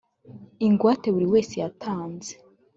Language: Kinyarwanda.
ingwate buri wese yatanze